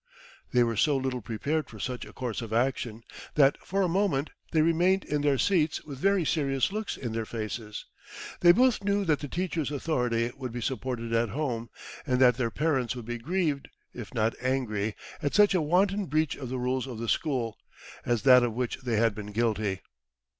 They were so little prepared for such a course of action, that for a moment they remained in their seats with very serious looks in their faces. They both knew that the teacher's authority would be supported at home, and that their parents would be grieved, if not angry, at such a wanton breach of the rules of the school, as that of which they had been guilty.